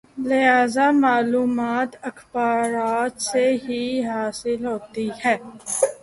لہذا معلومات اخبارات سے ہی حاصل ہوتی ہیں۔